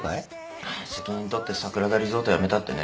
責任取って桜田リゾート辞めたってね。